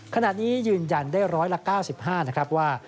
ขณะนี้ยืนยันได้ร้อยละ๙๕นะครับว่า